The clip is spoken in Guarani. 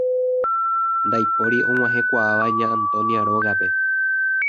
Ndaipóri og̃uahẽkuaáva Ña Antonia rógape.